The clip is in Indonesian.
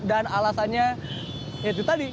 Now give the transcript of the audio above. dan alasannya itu tadi